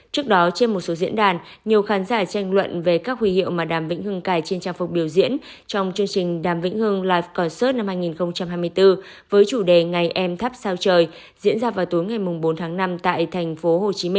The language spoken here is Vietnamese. trước đó trên một số diễn đàn nhiều khán giả tranh luận về các huy hiệu mà đàm vĩnh hưng cài trên trang phục biểu diễn trong chương trình đàm vĩnh hưng life concert năm hai nghìn hai mươi bốn với chủ đề ngày em thắp sao trời diễn ra vào tối ngày bốn tháng năm tại tp hcm